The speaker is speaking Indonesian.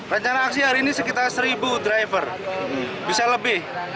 rencana aksi hari ini sekitar seribu driver bisa lebih